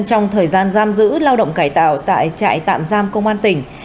trong thời gian giam giữ lao động cải tạo tại trại tạm giam công an tỉnh